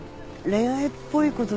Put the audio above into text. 恋愛っぽいこと？